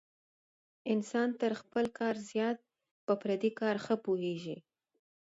انسان تر خپل کار زیات په پردي کار ښه پوهېږي.